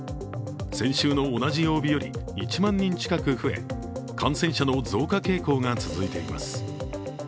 先週の同じ曜日より１万人近く増え感染者の増加傾向が続いています。